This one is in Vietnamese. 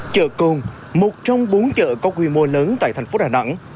chợ côn một trong bốn chợ có quy mô lớn tại tp đà nẵng